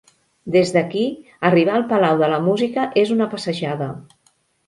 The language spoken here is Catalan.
Des d'aquí, arribar al Palau de la Música és una passejada.